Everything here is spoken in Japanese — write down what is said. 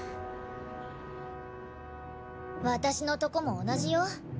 私のとこも同じよ。